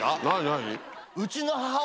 何？